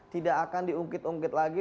tidak akan diungkit ungkit lagi